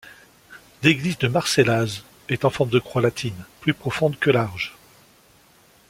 L'église de Marcellaz est en forme de croix latine, plus profonde que large.